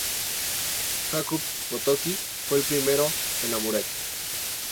Jakub Potocki fue el primero en la muralla.